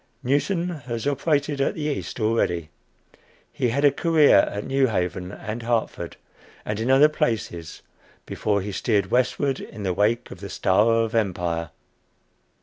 Newton has operated at the East already. He had a career at New Haven and Hartford, and in other places, before he steered westward in the wake of the "Star of Empire."